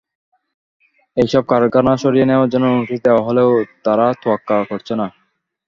এসব কারখানা সরিয়ে নেওয়ার জন্য নোটিশ দেওয়া হলেও তারা তোয়াক্কা করছে না।